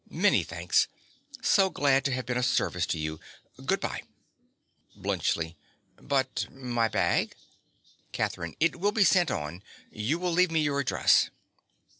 Many thanks. So glad to have been of service to you. Good bye. BLUNTSCHLI. But my bag? CATHERINE. It will be sent on. You will leave me your address.